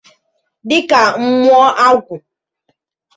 dịka mmụọ agwụ